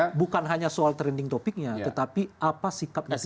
betul bukan hanya soal trending topicnya tetapi apa sikap netizen